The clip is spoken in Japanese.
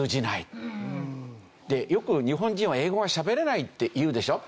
よく日本人は英語がしゃべれないっていうでしょ。